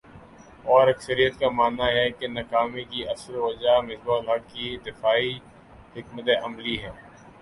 اور اکثریت کا ماننا ہے کہ ناکامی کی اصل وجہ مصباح الحق کی دفاعی حکمت عملی ہے ۔